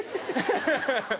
ハハハハ！